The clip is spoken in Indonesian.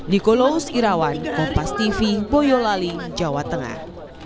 di kolo s irawan kompas tv boyolaling jawa tengah